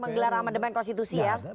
menggelar amat amat konstitusi ya tidak ada